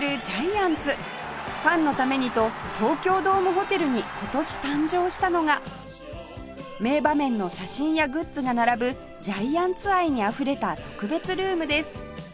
ファンのためにと東京ドームホテルに今年誕生したのが名場面の写真やグッズが並ぶジャイアンツ愛にあふれた特別ルームです